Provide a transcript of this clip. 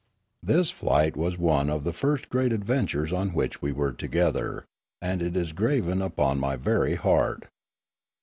This flight was one of the first great adventures on which we were together, and it is graven upon my very heart.